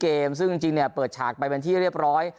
จริงซึ่งจริงเนี่ยเปิดฉากไปเป็นที่เรียบร้อย